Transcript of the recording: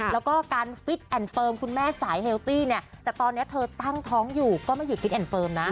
แล้วก็การฟิตแอนด์เฟิร์มคุณแม่สายเฮลตี้เนี่ยแต่ตอนนี้เธอตั้งท้องอยู่ก็ไม่หยุดฟิตแอนดเฟิร์มนะ